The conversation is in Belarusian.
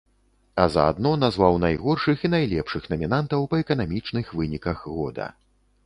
А заадно назваў найгоршых і найлепшых намінантаў па эканамічных выніках года.